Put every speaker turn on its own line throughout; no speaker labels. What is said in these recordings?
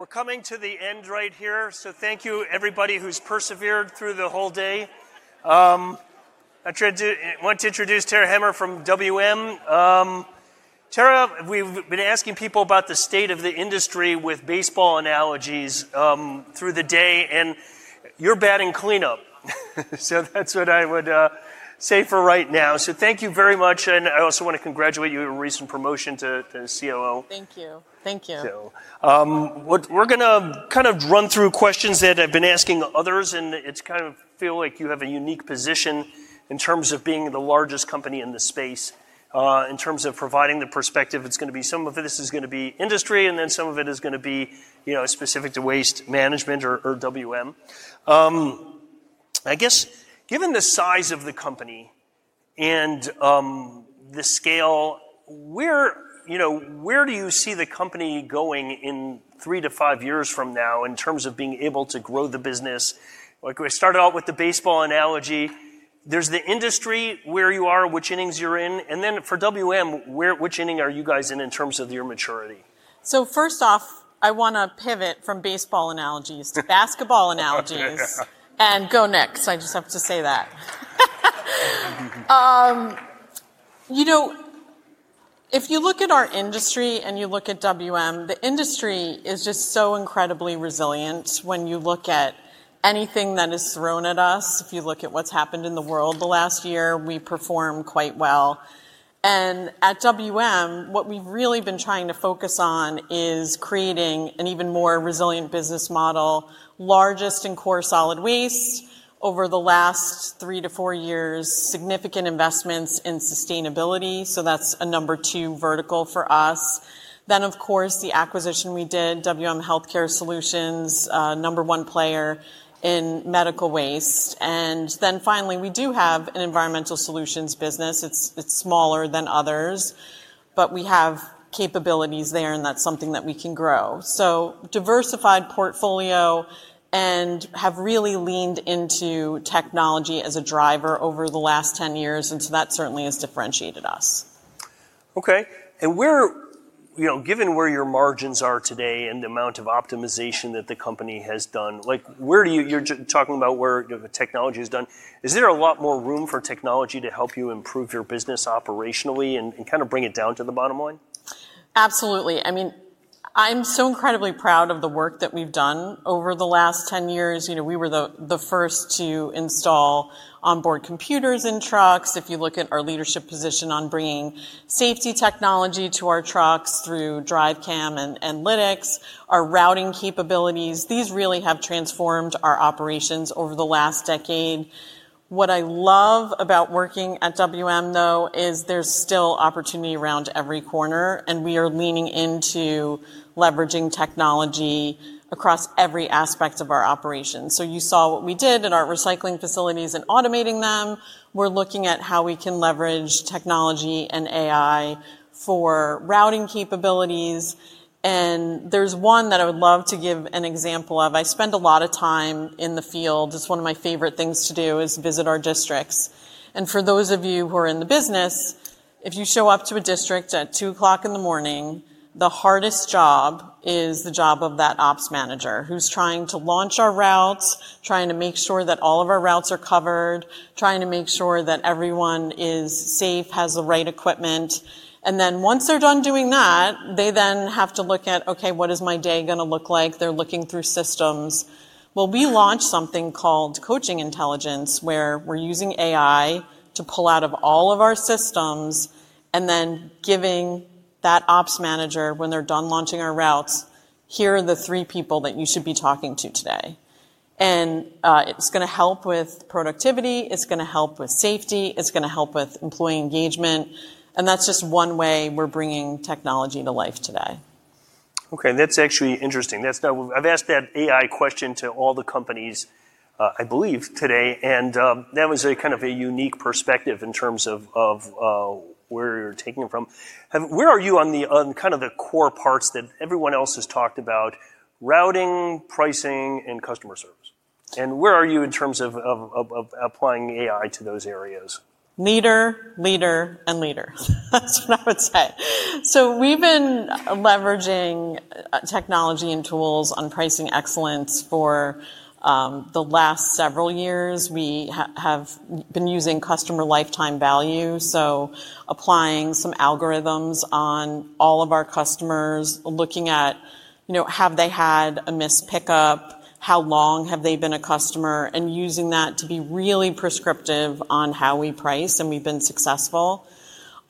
We're coming to the end right here, thank you everybody who's persevered through the whole day. I want to introduce Tara Hemmer from WM. Tara, we've been asking people about the state of the industry with baseball analogies through the day, and you're batting cleanup. That's what I would say for right now. Thank you very much, and I also want to congratulate you on a recent promotion to COO.
Thank you.
We're going to run through questions that I've been asking others, and it feels like you have a unique position in terms of being the largest company in this space. In terms of providing the perspective, some of it is going to be industry, and then some of it is going to be specific to Waste Management or WM. I guess, given the size of the company and the scale, where do you see the company going in three to five years from now in terms of being able to grow the business? Like we started out with the baseball analogy. There's the industry, where you are, which innings you're in, and then for WM, which inning are you guys in terms of your maturity?
First off, I want to pivot from baseball analogies to basketball analogies.
Yeah
go Knicks. I just have to say that. If you look at our industry and you look at WM, the industry is just so incredibly resilient when you look at anything that is thrown at us. If you look at what's happened in the world the last year, we performed quite well. At WM, what we've really been trying to focus on is creating an even more resilient business model, largest in core solid waste over the last three to four years, significant investments in sustainability, so that's a number two vertical for us. Of course, the acquisition we did, WM Healthcare Solutions, number one player in medical waste. Finally, we do have an environmental solutions business. It's smaller than others, but we have capabilities there, and that's something that we can grow. Diversified portfolio and have really leaned into technology as a driver over the last 10 years, that certainly has differentiated us.
Okay. Given where your margins are today and the amount of optimization that the company has done, you're talking about where the technology's done. Is there a lot more room for technology to help you improve your business operationally and bring it down to the bottom line?
Absolutely. I'm so incredibly proud of the work that we've done over the last 10 years. We were the first to install onboard computers in trucks. If you look at our leadership position on bringing safety technology to our trucks through DriveCam and Lytx, our routing capabilities, these really have transformed our operations over the last decade. What I love about working at WM, though, is there's still opportunity around every corner, we are leaning into leveraging technology across every aspect of our operations. You saw what we did at our recycling facilities and automating them. We're looking at how we can leverage technology and AI for routing capabilities, there's one that I would love to give an example of. I spend a lot of time in the field. It's one of my favorite things to do is visit our districts. For those of you who are in the business, if you show up to a district at 2:00 A.M., the hardest job is the job of that ops manager who's trying to launch our routes, trying to make sure that all of our routes are covered, trying to make sure that everyone is safe, has the right equipment. Once they're done doing that, they then have to look at, "Okay, what is my day going to look like?" They're looking through systems. We launched something called Coaching Intelligence, where we're using AI to pull out of all of our systems, then giving that ops manager, when they're done launching our routes, "Here are the three people that you should be talking to today." It's going to help with productivity, it's going to help with safety, it's going to help with employee engagement, that's just one way we're bringing technology to life today.
That's actually interesting. I've asked that AI question to all the companies, I believe today, that was a unique perspective in terms of where you're taking it from. Where are you on the core parts that everyone else has talked about, routing, pricing, and customer service? Where are you in terms of applying AI to those areas?
Leader, leader and leader. That's what I would say. We've been leveraging technology and tools on pricing excellence for the last several years. We have been using customer lifetime value, applying some algorithms on all of our customers, looking at have they had a missed pickup, how long have they been a customer, using that to be really prescriptive on how we price, we've been successful.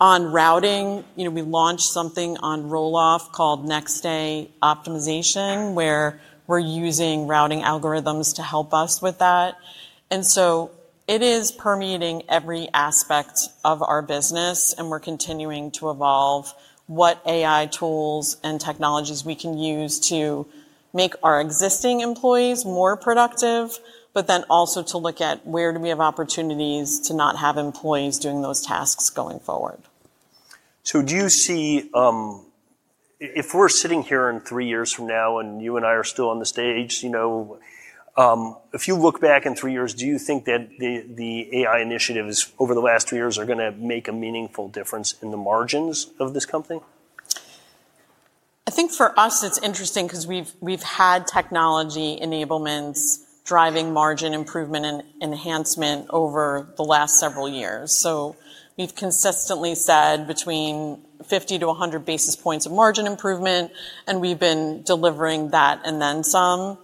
On routing, we launched something on roll-off called Next Day Optimization, where we're using routing algorithms to help us with that. It is permeating every aspect of our business, we're continuing to evolve what AI tools and technologies we can use to make our existing employees more productive, also to look at where do we have opportunities to not have employees doing those tasks going forward.
Do you see, if we're sitting here in three years from now and you and I are still on the stage If you look back in three years, do you think that the AI initiatives over the last two years are going to make a meaningful difference in the margins of this company?
I think for us, it's interesting because we've had technology enablements driving margin improvement and enhancement over the last several years. We've consistently said between 50 to 100 basis points of margin improvement, and we've been delivering that and then some.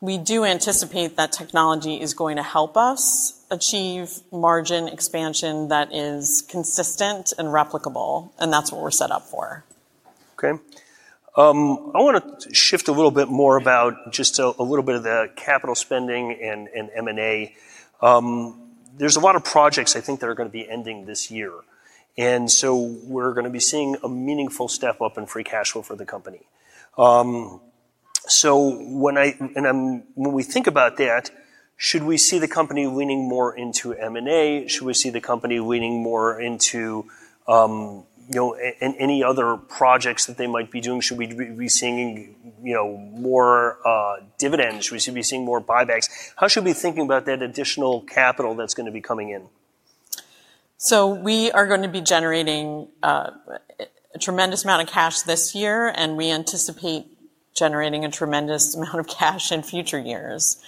We do anticipate that technology is going to help us achieve margin expansion that is consistent and replicable, and that's what we're set up for.
Okay. I want to shift a little bit more about just a little bit of the capital spending and M&A. There's a lot of projects, I think, that are going to be ending this year, so we're going to be seeing a meaningful step up in free cash flow for the company. When we think about that, should we see the company leaning more into M&A? Should we see the company leaning more into any other projects that they might be doing? Should we be seeing more dividends? Should we be seeing more buybacks? How should we be thinking about that additional capital that's going to be coming in?
We are going to be generating a tremendous amount of cash this year, and we anticipate generating a tremendous amount of cash in future years.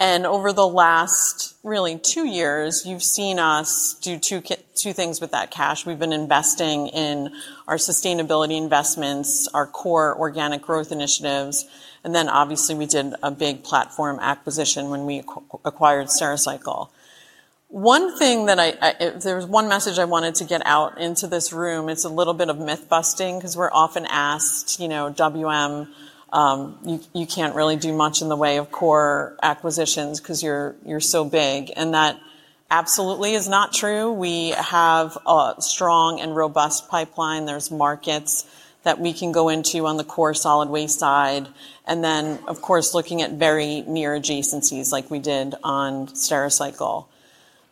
Over the last, really, two years, you've seen us do two things with that cash. We've been investing in our sustainability investments, our core organic growth initiatives, and then obviously, we did a big platform acquisition when we acquired Stericycle. If there's one message I wanted to get out into this room, it's a little bit of myth-busting because we're often asked, "WM, you can't really do much in the way of core acquisitions because you're so big." That absolutely is not true. We have a strong and robust pipeline. There's markets that we can go into on the core solid waste side. And then, of course, looking at very near adjacencies like we did on Stericycle.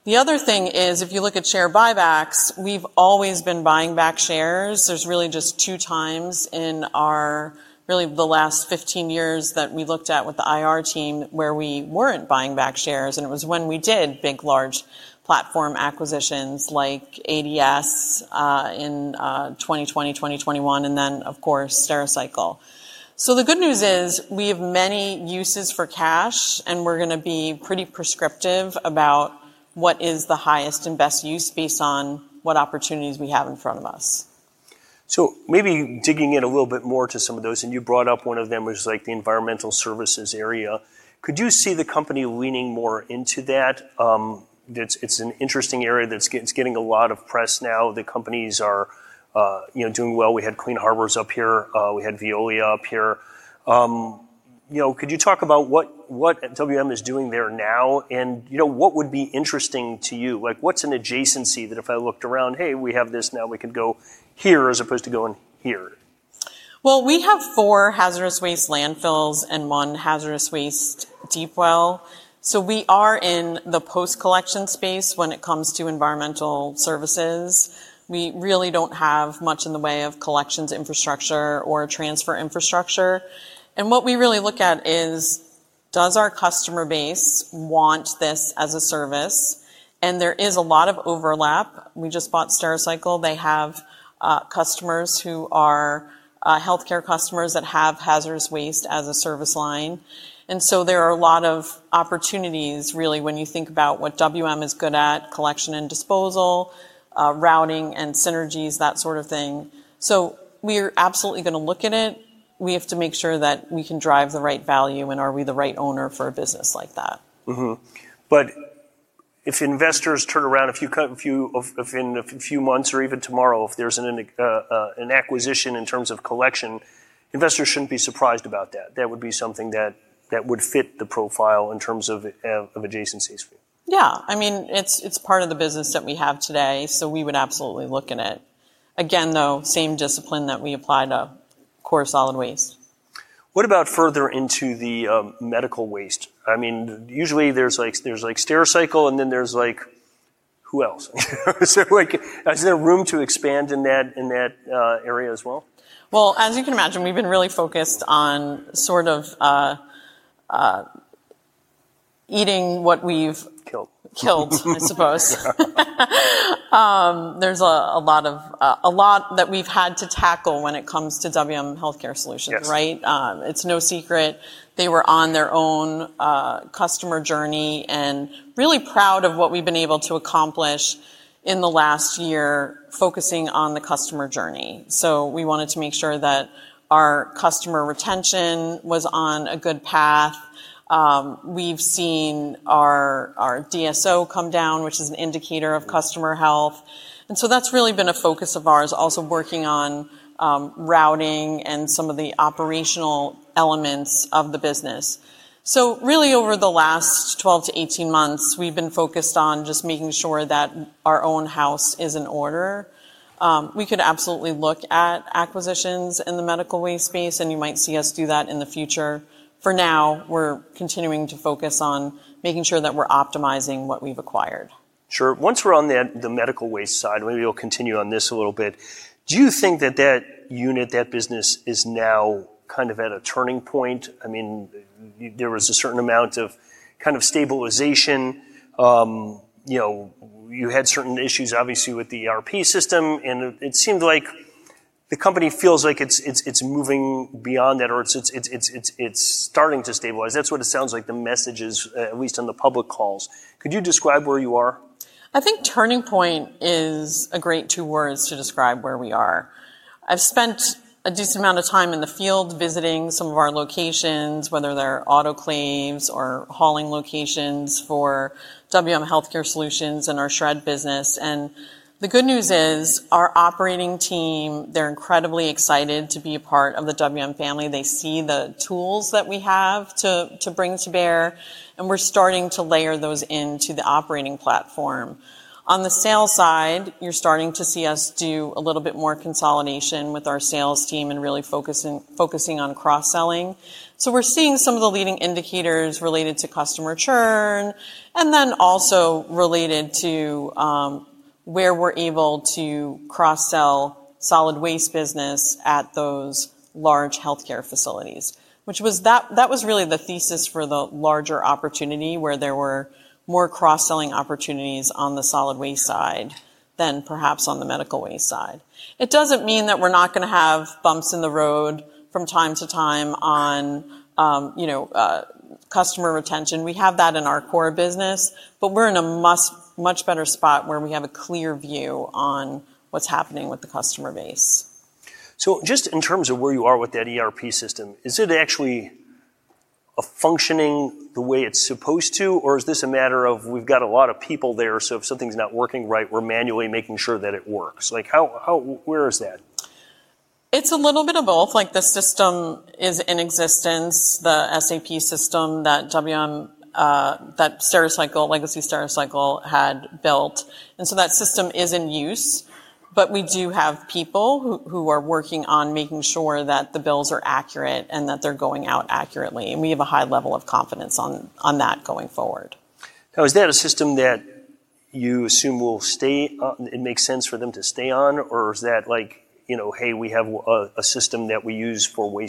The other thing is, if you look at share buybacks, we've always been buying back shares. There's really just two times in our, really the last 15 years that we looked at with the IR team where we weren't buying back shares, and it was when we did big, large platform acquisitions like ADS in 2020, 2021, and then, of course, Stericycle. The good news is we have many uses for cash, and we're going to be pretty prescriptive about what is the highest and best use based on what opportunities we have in front of us.
Maybe digging in a little bit more to some of those, and you brought up one of them was the environmental services area. Could you see the company leaning more into that? It's an interesting area that's getting a lot of press now. The companies are doing well. We had Clean Harbors up here. We had Veolia up here. Could you talk about what WM is doing there now? What would be interesting to you? What's an adjacency that if I looked around, "Hey, we have this now, we could go here as opposed to going here"?
Well, we have four hazardous waste landfills and one hazardous waste deep well. We are in the post-collection space when it comes to environmental services. We really don't have much in the way of collections infrastructure or transfer infrastructure. What we really look at is, does our customer base want this as a service? There is a lot of overlap. We just bought Stericycle. They have customers who are healthcare customers that have hazardous waste as a service line. There are a lot of opportunities, really, when you think about what WM is good at, collection and disposal, routing and synergies, that sort of thing. We're absolutely going to look at it. We have to make sure that we can drive the right value and are we the right owner for a business like that?
Mm-hmm. If investors turn around, if in a few months or even tomorrow, if there's an acquisition in terms of collection, investors shouldn't be surprised about that. That would be something that would fit the profile in terms of adjacencies for you.
Yeah. It's part of the business that we have today, we would absolutely look in it. Again, though, same discipline that we apply to core solid waste.
What about further into the medical waste? Usually there's Stericycle, and then there's who else? Is there room to expand in that area as well?
Well, as you can imagine, we've been really focused on sort of eating what we've-
Killed
killed, I suppose.
Yeah.
There's a lot that we've had to tackle when it comes to WM Healthcare Solutions, right?
Yes.
It's no secret they were on their own customer journey, and really proud of what we've been able to accomplish in the last year, focusing on the customer journey. We wanted to make sure that our customer retention was on a good path. We've seen our DSO come down, which is an indicator of customer health. That's really been a focus of ours, also working on routing and some of the operational elements of the business. Really over the last 12 to 18 months, we've been focused on just making sure that our own house is in order. We could absolutely look at acquisitions in the medical waste space, and you might see us do that in the future. For now, we're continuing to focus on making sure that we're optimizing what we've acquired.
Sure. Once we're on the medical waste side, maybe we'll continue on this a little bit. Do you think that that unit, that business, is now kind of at a turning point? There was a certain amount of kind of stabilization. You had certain issues, obviously, with the ERP system, and it seemed like the company feels like it's moving beyond that, or it's starting to stabilize. That's what it sounds like the message is, at least on the public calls. Could you describe where you are?
I think turning point is great two words to describe where we are. I've spent a decent amount of time in the field visiting some of our locations, whether they're autoclaves or hauling locations for WM Healthcare Solutions and our shred business. The good news is our operating team, they're incredibly excited to be a part of the WM family. They see the tools that we have to bring to bear, and we're starting to layer those into the operating platform. On the sales side, you're starting to see us do a little bit more consolidation with our sales team and really focusing on cross-selling. We're seeing some of the leading indicators related to customer churn, and then also related to where we're able to cross-sell solid waste business at those large healthcare facilities. That was really the thesis for the larger opportunity, where there were more cross-selling opportunities on the solid waste side than perhaps on the medical waste side. It doesn't mean that we're not going to have bumps in the road from time to time on customer retention. We have that in our core business, but we're in a much better spot where we have a clear view on what's happening with the customer base.
Just in terms of where you are with that ERP system, is it actually functioning the way it's supposed to, or is this a matter of we've got a lot of people there, if something's not working right, we're manually making sure that it works? Where is that?
It's a little bit of both. The system is in existence, the SAP system that WM, that legacy Stericycle had built. That system is in use. We do have people who are working on making sure that the bills are accurate and that they're going out accurately, we have a high level of confidence on that going forward.
Is that a system that you assume it makes sense for them to stay on, or is that, "Hey, we have a system that we use for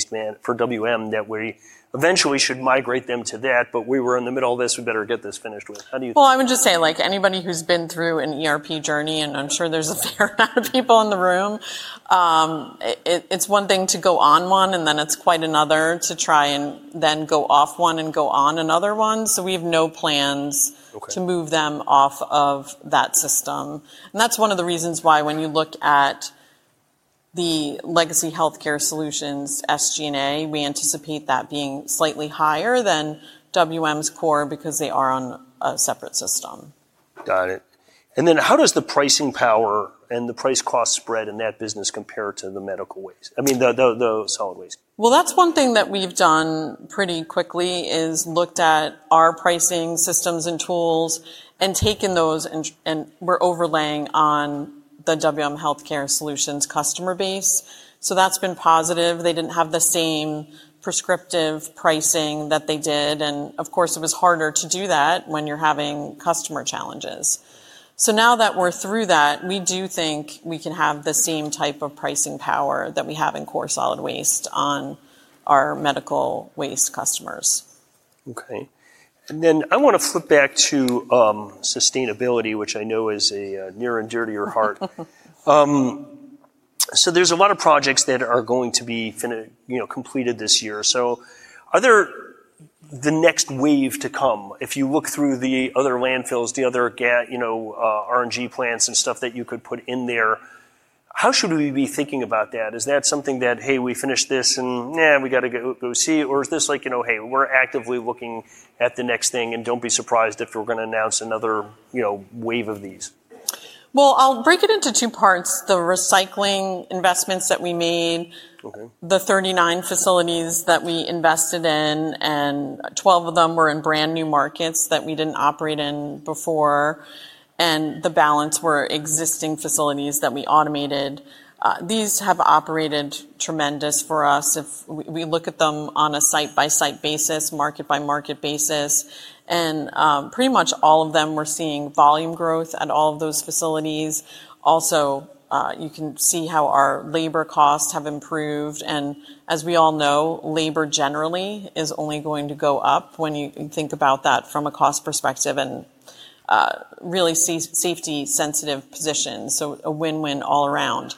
WM that we eventually should migrate them to that, we were in the middle of this, we better get this finished with." How do you
Well, I would just say, anybody who's been through an ERP journey, and I'm sure there's a fair amount of people in the room, it's one thing to go on one, and then it's quite another to try and then go off one and go on another one. We have no plans-
Okay
to move them off of that system. That's one of the reasons why when you look at the legacy Healthcare Solutions, SG&A, we anticipate that being slightly higher than WM's core because they are on a separate system.
Got it. How does the pricing power and the price cost spread in that business compare to the medical waste? I mean, the solid waste.
Well, that's one thing that we've done pretty quickly is looked at our pricing systems and tools and taken those, and we're overlaying on the WM Healthcare Solutions customer base. That's been positive. They didn't have the same prescriptive pricing that they did. Of course, it was harder to do that when you're having customer challenges. Now that we're through that, we do think we can have the same type of pricing power that we have in core solid waste on our medical waste customers.
I want to flip back to sustainability, which I know is near and dear to your heart. There's a lot of projects that are going to be completed this year. Are there the next wave to come? If you look through the other landfills, the other RNG plants and stuff that you could put in there, how should we be thinking about that? Is that something that, "Hey, we finished this, and we got to go see," or is this like, "Hey, we're actively looking at the next thing, and don't be surprised if we're going to announce another wave of these?
Well, I'll break it into two parts. The recycling investments that we made-
Okay
39 facilities that we invested in, 12 of them were in brand new markets that we didn't operate in before, the balance were existing facilities that we automated. These have operated tremendous for us. If we look at them on a site-by-site basis, market-by-market basis, pretty much all of them, we're seeing volume growth at all of those facilities. You can see how our labor costs have improved, as we all know, labor generally is only going to go up when you think about that from a cost perspective and really safety-sensitive positions. A win-win all around.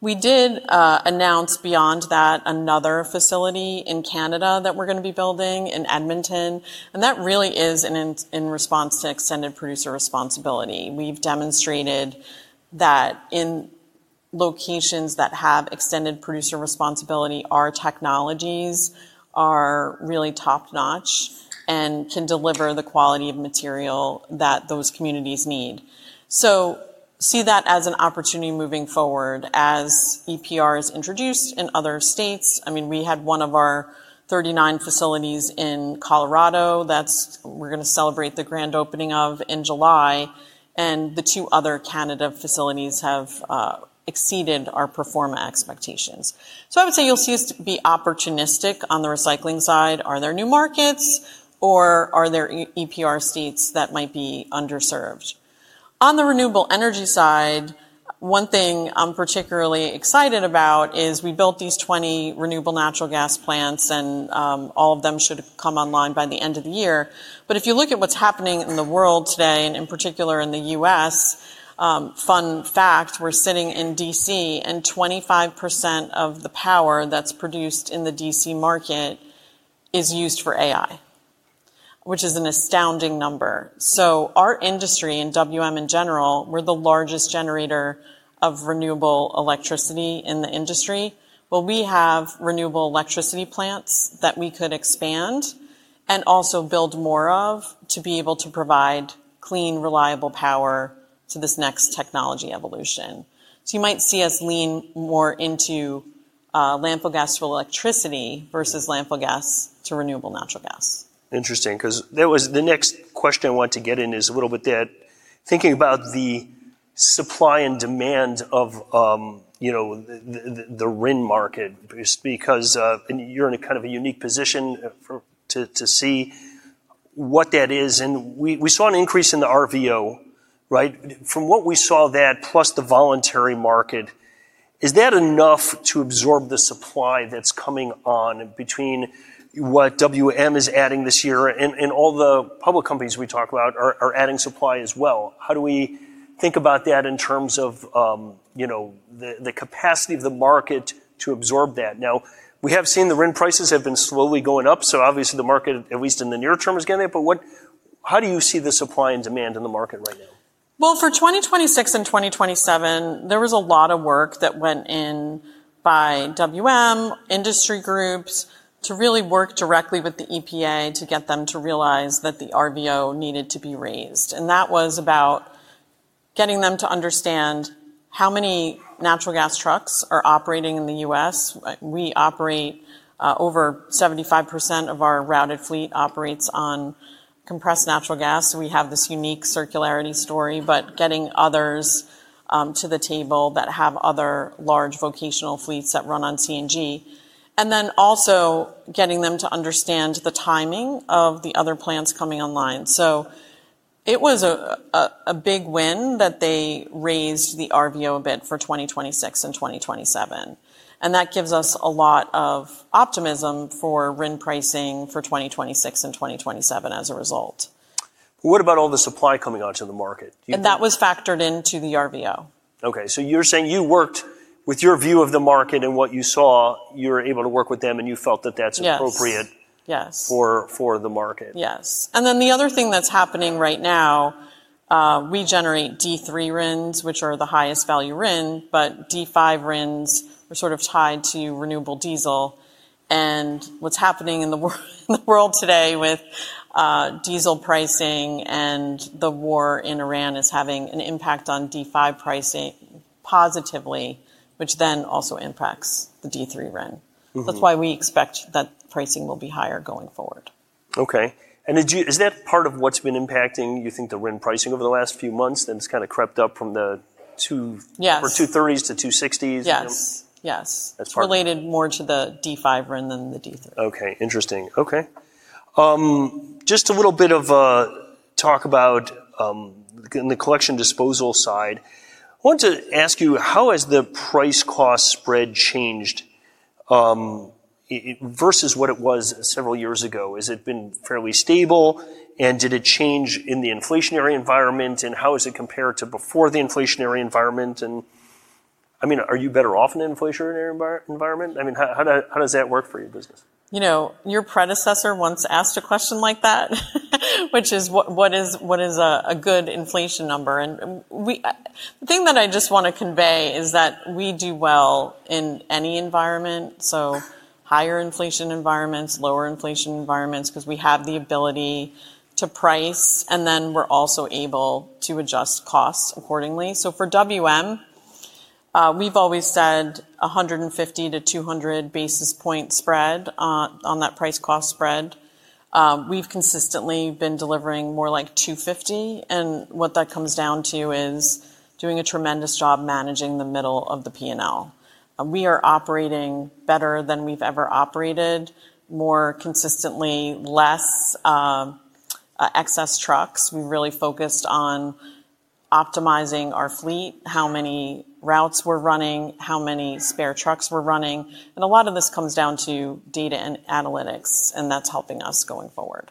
We did announce beyond that another facility in Canada that we're going to be building in Edmonton, that really is in response to extended producer responsibility. We've demonstrated that in locations that have extended producer responsibility, our technologies are really top-notch and can deliver the quality of material that those communities need. See that as an opportunity moving forward as EPR is introduced in other states. We had one of our 39 facilities in Colorado that we're going to celebrate the grand opening of in July, the two other Canada facilities have exceeded our pro forma expectations. I would say you'll see us be opportunistic on the recycling side. Are there new markets, or are there EPR states that might be underserved? On the renewable energy side, one thing I'm particularly excited about is we built these 20 renewable natural gas plants, all of them should come online by the end of the year. If you look at what's happening in the world today, and in particular in the U.S., fun fact, we're sitting in D.C., and 25% of the power that's produced in the D.C. market is used for AI, which is an astounding number. Our industry, and WM in general, we're the largest generator of renewable electricity in the industry. We have renewable electricity plants that we could expand and also build more of to be able to provide clean, reliable power to this next technology evolution. You might see us lean more into landfill gas for electricity versus landfill gas to renewable natural gas.
Interesting, because the next question I want to get in is a little bit that thinking about the supply and demand of the RIN market, because you're in a kind of a unique position to see what that is, and we saw an increase in the RVO, right? From what we saw, that plus the voluntary market, is that enough to absorb the supply that's coming on between what WM is adding this year, and all the public companies we talk about are adding supply as well. How do we think about that in terms of the capacity of the market to absorb that? Now, we have seen the RIN prices have been slowly going up, so obviously the market, at least in the near term, is going up. How do you see the supply and demand in the market right now?
For 2026 and 2027, there was a lot of work that went in by WM, industry groups, to really work directly with the EPA to get them to realize that the RVO needed to be raised. That was about getting them to understand how many natural gas trucks are operating in the U.S. We operate over 75% of our routed fleet operates on compressed natural gas. We have this unique circularity story, but getting others to the table that have other large vocational fleets that run on CNG, and then also getting them to understand the timing of the other plants coming online. It was a big win that they raised the RVO a bit for 2026 and 2027, and that gives us a lot of optimism for RIN pricing for 2026 and 2027 as a result.
What about all the supply coming out to the market? Do you think-
That was factored into the RVO.
Okay, you're saying you worked with your view of the market and what you saw, you were able to work with them, and you felt that that's appropriate-
Yes
for the market.
Yes. The other thing that's happening right now, we generate D3 RINs, which are the highest value RIN, but D5 RINs are sort of tied to renewable diesel. What's happening in the world today with diesel pricing and the war in Ukraine is having an impact on D5 pricing positively, which then also impacts the D3 RIN. That's why we expect that pricing will be higher going forward.
Okay. Is that part of what's been impacting, you think the RIN pricing over the last few months, then it's kind of crept up from the
Yes
230s to 260s?
Yes.
That's
It's related more to the D5 RIN than the D3.
Okay. Interesting. Okay. Just a little bit of talk about in the collection disposal side. I want to ask you, how has the price cost spread changed versus what it was several years ago? Has it been fairly stable, and did it change in the inflationary environment, and how is it compared to before the inflationary environment? Are you better off in an inflationary environment? How does that work for your business?
Your predecessor once asked a question like that, which is, what is a good inflation number? The thing that I just want to convey is that we do well in any environment, so higher inflation environments, lower inflation environments, because we have the ability to price, and then we're also able to adjust costs accordingly. For WM, we've always said 150 to 200 basis point spread on that price cost spread. We've consistently been delivering more like 250, and what that comes down to is doing a tremendous job managing the middle of the P&L. We are operating better than we've ever operated, more consistently, less excess trucks. We've really focused on optimizing our fleet, how many routes we're running, how many spare trucks we're running, and a lot of this comes down to data and analytics, and that's helping us going forward.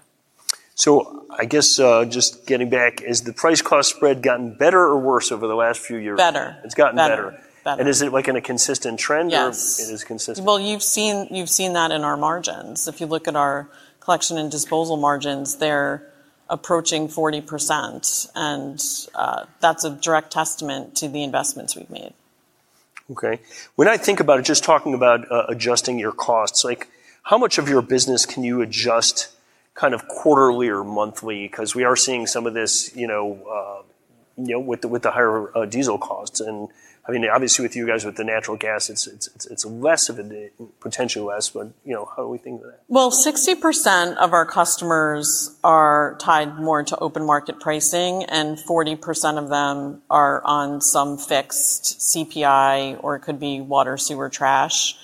I guess, just getting back, has the price cost spread gotten better or worse over the last few years?
Better.
It's gotten better.
Better.
Is it like in a consistent trend or-
Yes
it is consistent?
Well, you've seen that in our margins. If you look at our collection and disposal margins, they're approaching 40%, and that's a direct testament to the investments we've made.
Okay. When I think about it, just talking about adjusting your costs, how much of your business can you adjust kind of quarterly or monthly? Because we are seeing some of this with the higher diesel costs. Obviously, with you guys, with the natural gas, it's potentially less, but how do we think of that?
Well, 60% of our customers are tied more to open market pricing, and 40% of them are on some fixed CPI, or it could be water, sewer, trash.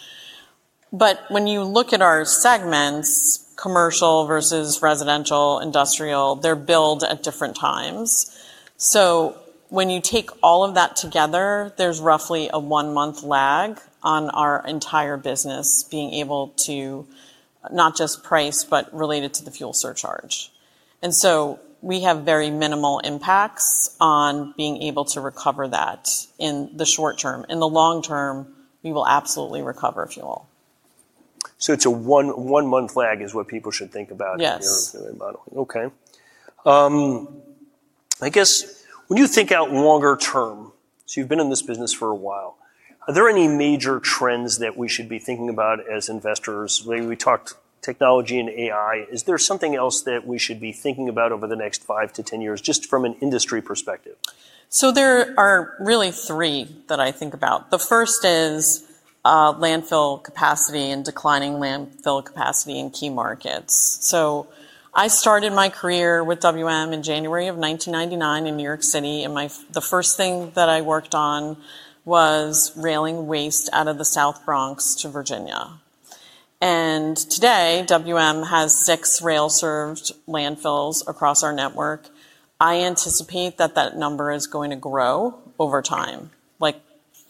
When you look at our segments, commercial versus residential, industrial, they're billed at different times. When you take all of that together, there's roughly a one-month lag on our entire business being able to not just price, but relate it to the fuel surcharge. We have very minimal impacts on being able to recover that in the short term. In the long term, we will absolutely recover fuel.
It's a one-month lag is what people should think about.
Yes
In your modeling. Okay. I guess when you think out longer term, you've been in this business for a while, are there any major trends that we should be thinking about as investors? We talked technology and AI. Is there something else that we should be thinking about over the next five to 10 years, just from an industry perspective?
There are really three that I think about. The first is landfill capacity and declining landfill capacity in key markets. I started my career with WM in January of 1999 in New York City, and the first thing that I worked on was railing waste out of the South Bronx to Virginia. Today, WM has six rail-served landfills across our network. I anticipate that that number is going to grow over time.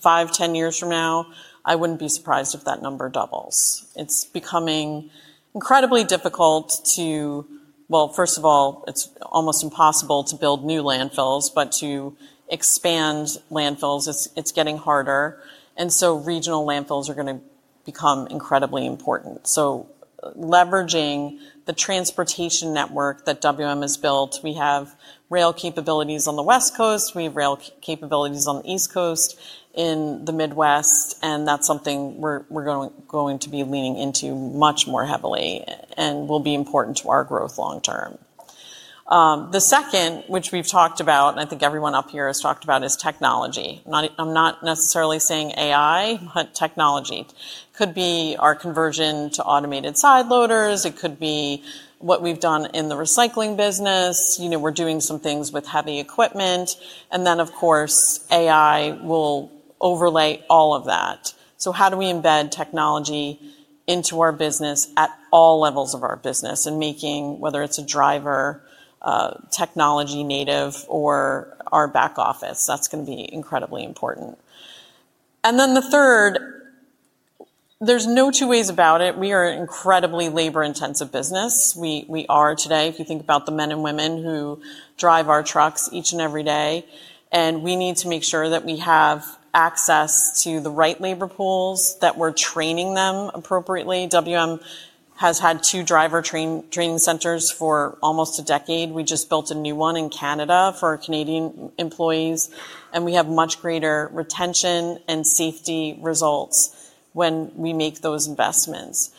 Five, 10 years from now, I wouldn't be surprised if that number doubles. It's becoming incredibly difficult to first of all, it's almost impossible to build new landfills, but to expand landfills, it's getting harder, and regional landfills are going to become incredibly important. Leveraging the transportation network that WM has built. We have rail capabilities on the West Coast, we have rail capabilities on the East Coast, in the Midwest, and that's something we're going to be leaning into much more heavily and will be important to our growth long term. The second, which we've talked about, and I think everyone up here has talked about, is technology. I'm not necessarily saying AI, but technology. Could be our conversion to automated side loaders. It could be what we've done in the recycling business. We're doing some things with heavy equipment. Of course, AI will overlay all of that. How do we embed technology into our business at all levels of our business and making, whether it's a driver, technology native, or our back office? That's going to be incredibly important. The third, there's no two ways about it, we are an incredibly labor-intensive business. We are today, if you think about the men and women who drive our trucks each and every day, we need to make sure that we have access to the right labor pools, that we're training them appropriately. WM has had two driver training centers for almost a decade. We just built a new one in Canada for our Canadian employees, and we have much greater retention and safety results when we make those investments.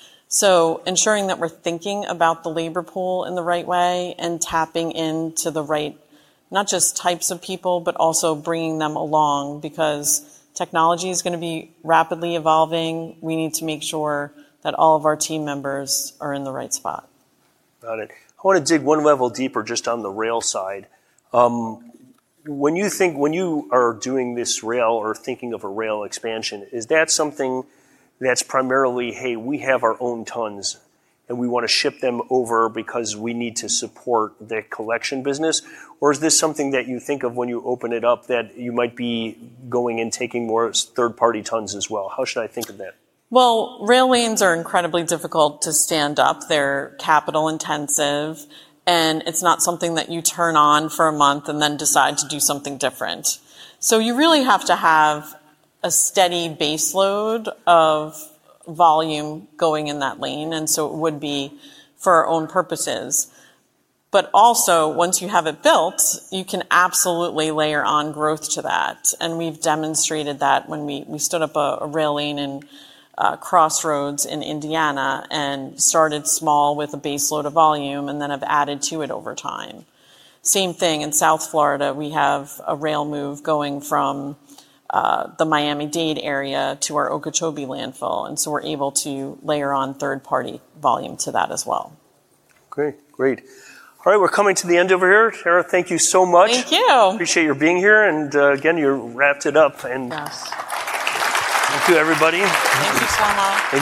Ensuring that we're thinking about the labor pool in the right way and tapping into the right not just types of people, but also bringing them along, because technology's going to be rapidly evolving. We need to make sure that all of our team members are in the right spot.
Got it. I want to dig one level deeper just on the rail side. When you are doing this rail or thinking of a rail expansion, is that something that's primarily, "Hey, we have our own tons, we want to ship them over because we need to support the collection business"? Is this something that you think of when you open it up that you might be going and taking more third-party tons as well? How should I think of that?
Rail lanes are incredibly difficult to stand up. They're capital intensive, it's not something that you turn on for a month and then decide to do something different. You really have to have a steady base load of volume going in that lane, it would be for our own purposes. Also, once you have it built, you can absolutely layer on growth to that, we've demonstrated that when we stood up a rail lane in Crossroads in Indiana and started small with a base load of volume and then have added to it over time. Same thing in South Florida. We have a rail move going from the Miami-Dade area to our Okeechobee landfill, we're able to layer on third-party volume to that as well.
Great. All right. We're coming to the end over here. Tara, thank you so much.
Thank you.
Appreciate your being here. Again, you wrapped it up.
Yes.
Thank you, everybody.
Thank you so much.
Thank you.